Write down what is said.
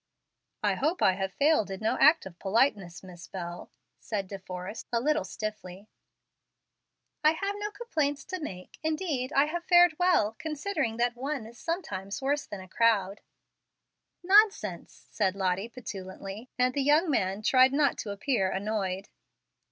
"I hope I have failed in no act of politeness, Miss Bel," said De Forrest, a little stiffly. "I have no complaints to make. Indeed, I have fared well, considering that one is sometimes worse than a crowd." "Nonsense!" said Lottie, petulantly; and the young man tried not to appear annoyed.